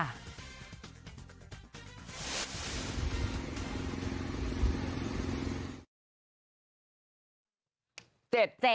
อะไรอ่ะพอย๐หรือ๖